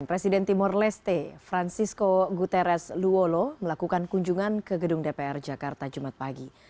presiden timur leste francisco guterres luolo melakukan kunjungan ke gedung dpr jakarta jumat pagi